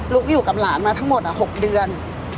อยู่กับหลานมาทั้งหมด๖เดือน